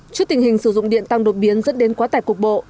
trước tình hình sử dụng điện tăng đột biến dẫn đến quá tải cục bộ